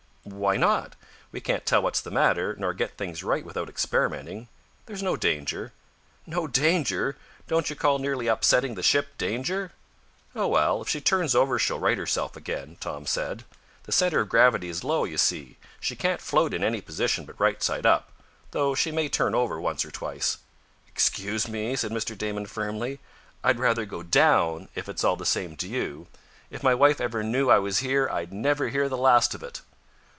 "Why not? We can't tell what's the matter, nor get things right without experimenting. There's no danger." "No danger! Don't you call nearly upsetting the ship danger?" "Oh, well, if she turns over she'll right herself again," Tom said. "The center of gravity is low, you see. She can't float in any position but right side up, though she may turn over once or twice." "Excuse me!" said Mr. Damon firmly. "I'd rather go down, if it's all the same to you. If my wife ever knew I was here I'd never hear the last of it!"